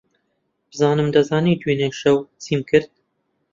بزانم دەزانیت دوێنێ شەو چیم کرد.